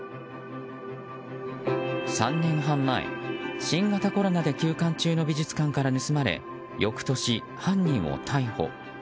３年半前、新型コロナで休館中の美術館から盗まれ翌年、犯人を逮捕。